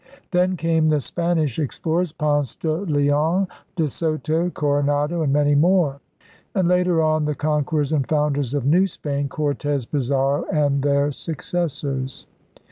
Then came the Spanish explorers — Ponce de Leon, De Soto, Coronado, and many more — and later on the conquerors and founders of New Spain — Cortes, Pizarro, and their successors.